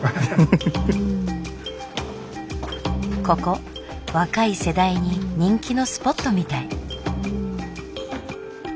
ここ若い世代に人気のスポットみたい。